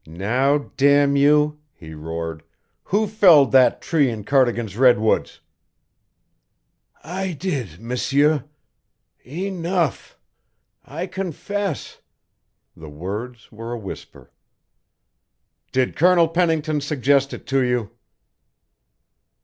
"Now, damn you," he roared, "who felled that tree in Cardigan's Redwoods?" "I did, M'sieur. Enough I confess!" The words were a whisper. "Did Colonel Pennington suggest it to you?"